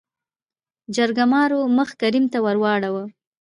جرګمارو مخ کريم ته ورواړو .